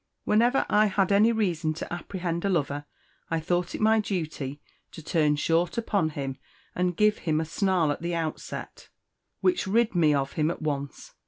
Whenever I had any reason to apprehend a lover, I thought it my duty to turn short upon him and give him a snarl at the outset, which rid me of him at once.